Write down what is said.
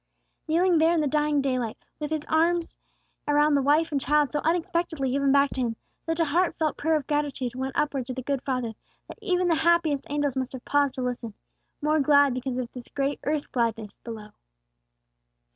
Kneeling there in the dying daylight, with his arms around the wife and child so unexpectedly given back to him, such a heart felt prayer of gratitude went upward to the good Father that even the happiest angels must have paused to listen, more glad because of this great earth gladness below.